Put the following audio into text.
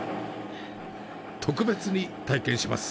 特別に体験します。